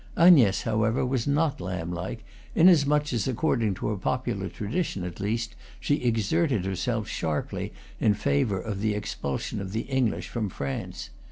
Agnes, however, was not lamb like, inasmuch as, according to popular tradition at least, she exerted herself sharply in favor of the ex pulsion of the English from France.